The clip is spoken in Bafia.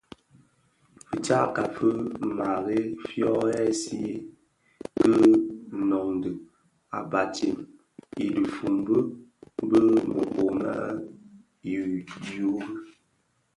Fitsakka fi marai fyo ghësèyi ki noňdè a batsèm i dhifombu bi më kōō më Jrume.